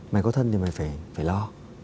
mày có thân thì mày phải lo